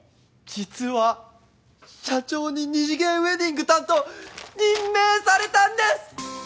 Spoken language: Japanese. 実は社長に二次元ウェディング担当任命されたんです！